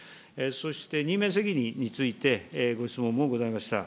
そして任命責任についてご質問もございました。